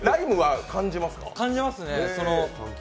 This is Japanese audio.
感じますね。